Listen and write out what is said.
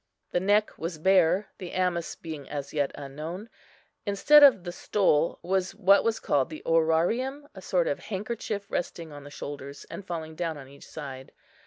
The neck was bare, the amice being as yet unknown; instead of the stole was what was called the orarium, a sort of handkerchief resting on the shoulders, and falling down on each side.